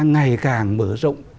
ngày càng mở rộng